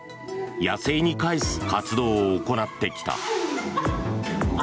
野生に返す活動を行ってきた。